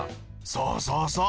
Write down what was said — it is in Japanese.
そうそうそう。